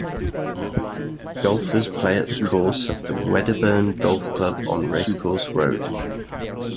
Golfers play at the course of the Wedderburn Golf Club on Racecourse Road.